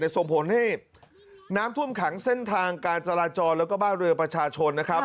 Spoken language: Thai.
ส่งผลให้น้ำท่วมขังเส้นทางการจราจรแล้วก็บ้านเรือประชาชนนะครับ